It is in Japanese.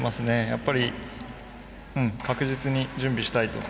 やっぱり確実に準備したいと。